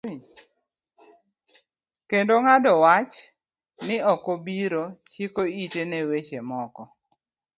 Kendo ng'ado wach ni okobiro chiko ite ne weche moko.